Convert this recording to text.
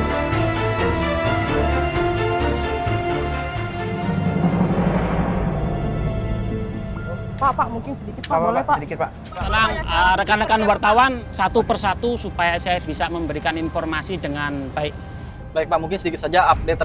saya yakin anda pasti sekarang sibuk ngurusin itu